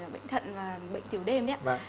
bệnh thận và bệnh tiểu đêm